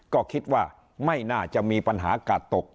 ก็คิดว่าไม่น่าจะมีปัญหากาดตก